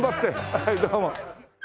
はいどうも。